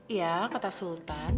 iya kata sultan